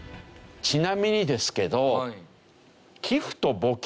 ちなみにですけど。